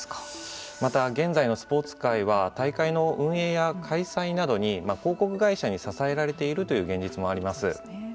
また、現在のスポーツ界は大会の運営や開催などに広告会社に支えられているという現実もあります。